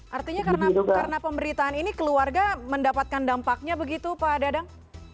artinya karena pemberitaan ini keluarga mendapatkan dampaknya begitu pak dadang